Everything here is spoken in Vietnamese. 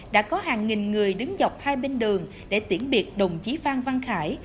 đã có hàng nghìn người đứng dọc hai bên đường để tiễn biệt đồng chí phan văn khải